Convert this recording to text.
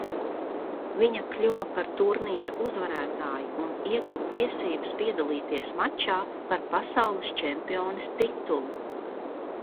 Viņa kļuva par turnīra uzvarētāju un ieguva tiesības piedalīties mačā par pasaules čempiones titulu.